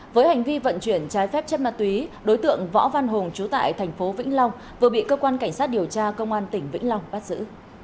với hành vi vận chuyển trái phép chép ma túy đối tượng võ văn hùng trú tại tp vĩnh long vừa bị cơ quan cảnh sát điều tra công an tỉnh vĩnh long bắt giữ